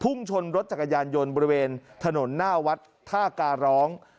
ชนรถจักรยานยนต์บริเวณถนนหน้าวัดท่าการร้อง